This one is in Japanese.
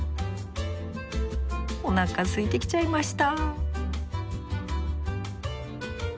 おなかすいてきちゃいました。